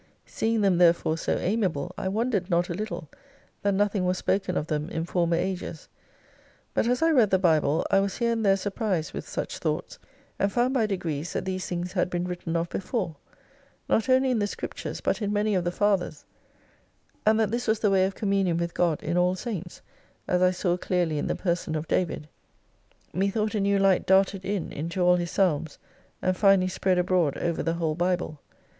Seeing them therefore so amiable I wondered not a little, that nothing was spoken of them in former ages : but as I read the Bible I was here and there surprised with such thoughts, and found by degrees that these things had been written of before, not only in the Scriptures, but in many of the Fathers, and that this was the way of communion with God in all Samts, as I saw clearly in the person of David. Methought a new light darted in into a'l his psalms, and finally spread abroad over the whole Bible.